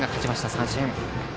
三振。